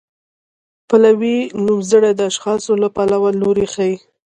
پلوي نومځري د اشخاصو له پلوه لوری ښيي.